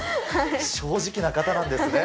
正直な方なんですね。